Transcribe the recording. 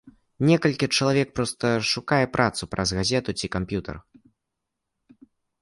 Некалькі чалавек проста шукае працу праз газету ці камп'ютар.